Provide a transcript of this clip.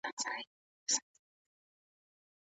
ولسي جرګه د ځوانانو ستونزو ته رسېدنه کوي.